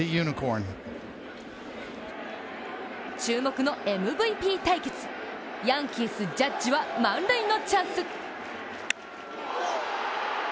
注目のＭＶＰ対決、ヤンキースジャッジは満塁のチャンス。